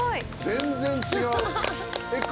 全然違う。